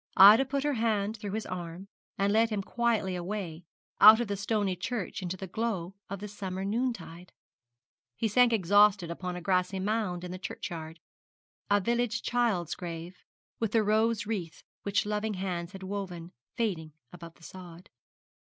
Ida put her hand through his arm, and led him quietly away, out of the stony church into the glow of the summer noontide. He sank exhausted upon a grassy mound in the churchyard a village child's grave, with the rose wreath which loving hands had woven fading above the sod.